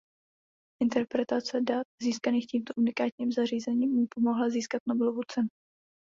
Interpretace dat získaných tímto unikátním zařízením mu pomohla získat Nobelovu cenu.